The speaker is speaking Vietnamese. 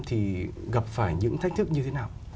thì gặp phải những thách thức không